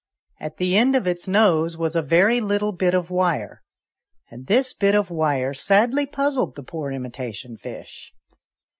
At the end of its nose was a very little bit of wire, and this bit of wire sadly puzzled the poor imitation fish.